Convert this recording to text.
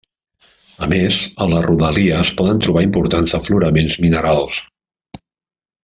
A més, a la rodalia es poden trobar importants afloraments minerals.